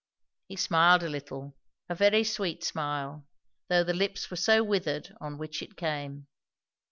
He smiled a little, a very sweet smile, though the lips were so withered on which it came.